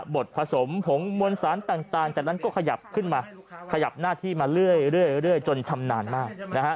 ดผสมผงมวลสารต่างจากนั้นก็ขยับขึ้นมาขยับหน้าที่มาเรื่อยจนชำนาญมาก